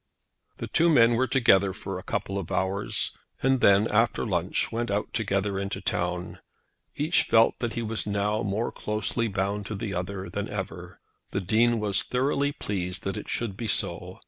The two men were together for a couple of hours, and then, after lunch, went out together into the town. Each felt that he was now more closely bound to the other than ever. The Dean was thoroughly pleased that it should be so.